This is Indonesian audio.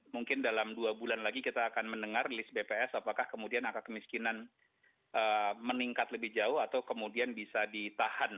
mungkin dalam dua bulan lagi kita akan mendengar list bps apakah kemudian angka kemiskinan meningkat lebih jauh atau kemudian bisa ditahan